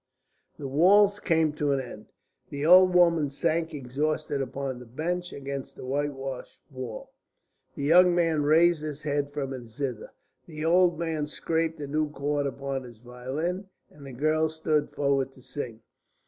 "The waltz came to an end. The old woman sank exhausted upon the bench against the whitewashed wall; the young man raised his head from his zither; the old man scraped a new chord upon his violin, and the girl stood forward to sing.